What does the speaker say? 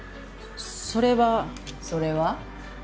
それは。それは？